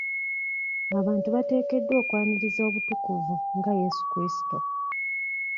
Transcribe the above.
Abantu bateekeddwa okwaniriza obutukuvu nga Yesu kulisitu.